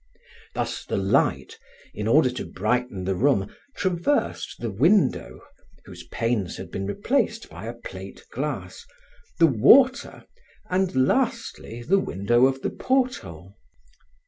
Thus the light, in order to brighten the room, traversed the window, whose panes had been replaced by a plate glass, the water, and, lastly, the window of the porthole.